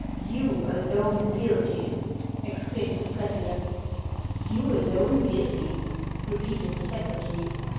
" You alone guilty !" exclaimed the president. " You alone guilty !" repeated the secretary.